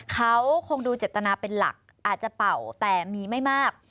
เขาคงดูเจตนาเป็นหลักอาจจะเป่าแต่มีไม่มาก